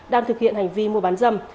đang thực hiện hành vi mua bán dâm